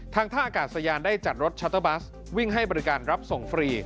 ท่าอากาศยานได้จัดรถชัตเตอร์บัสวิ่งให้บริการรับส่งฟรี